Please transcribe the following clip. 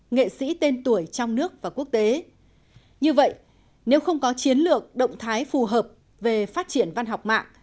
như vậy nếu không có chiến lược động thái phù hợp về phát triển văn học mạng